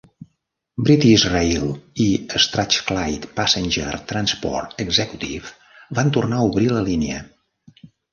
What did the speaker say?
British Rail i Strathclyde Passenger Transport Executive van tornar a obrir la línia.